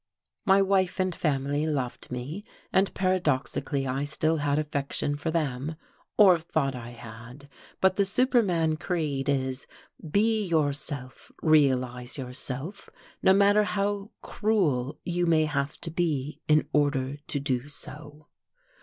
My wife and family loved me; and paradoxically I still had affection for them, or thought I had. But the superman creed is, "be yourself, realize yourself, no matter how cruel you may have to be in order to do so."